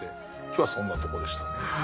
今日はそんなとこでしたね。